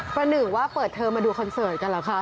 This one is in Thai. ประหนึ่งว่าเปิดเทอมมาดูคอนเสิร์ตกันเหรอคะ